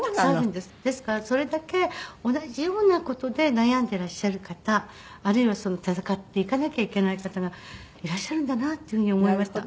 ですからそれだけ同じような事で悩んでいらっしゃる方あるいは闘っていかなきゃいけない方がいらっしゃるんだなっていうふうに思いました。